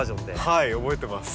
はい覚えてます。